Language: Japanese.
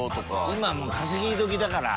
今もう稼ぎ時だから。